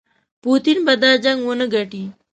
پوټین به دا جنګ ونه ګټي.